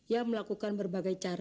ya melakukan berbagai hal